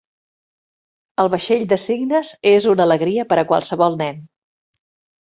El vaixell de cignes és una alegria per a qualsevol nen.